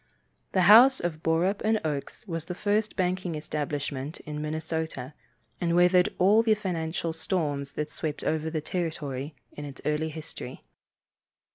The house of Borup & Oakes was the first banking establishment in Minnesota, and weathered all the financial storms that swept over the territory in its early history.